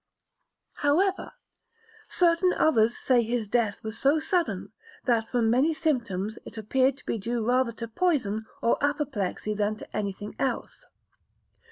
However, certain others say that his death was so sudden, that from many symptoms it appeared to be due rather to poison or apoplexy than to anything else.